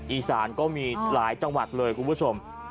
อีสานก็มีหลายจังหวัดเลยคุณผู้ชม